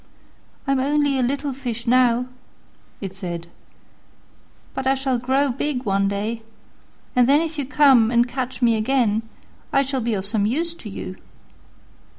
"I'm only a little fish now," it said, "but I shall grow big one day, and then if you come and catch me again I shall be of some use to you."